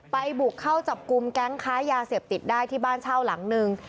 บุกเข้าจับกลุ่มแก๊งค้ายาเสพติดได้ที่บ้านเช่าหลังนึง